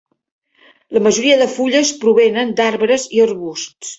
La majoria de fulles provenen d'arbres i arbusts.